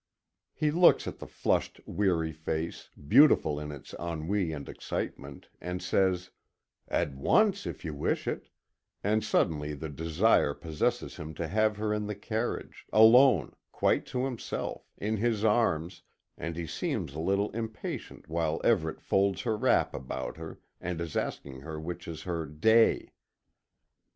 He looks at the flushed, weary face, beautiful in its ennui and excitement, and says: "At once if you wish it," and suddenly the desire possesses him to have her in the carriage, alone, quite to himself, in his arms, and he seems a little impatient while Everet folds her wrap about her, and is asking which is her "day."